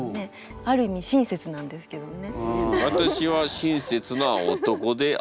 ある意味親切なんですけどもね。